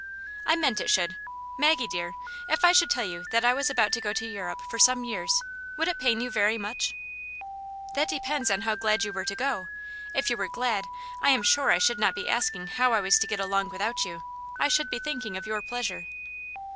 '*" I meant it should. Maggie dear, if I should tell you that I was about to go to Europe for some years^ would it pain you very much ?"" That depends on how glad you were to go. If you were glad, I am sure I should not be asking how I was to get along without you. I should be think ing of yoiif pleasure."